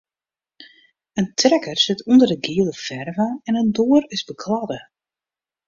In trekker sit ûnder de giele ferve en in doar is bekladde.